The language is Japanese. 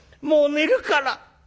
もう寝るから」。